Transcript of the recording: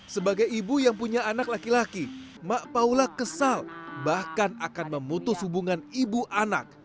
sebagai ibu yang punya anak laki laki mak paula kesal bahkan akan memutus hubungan ibu anak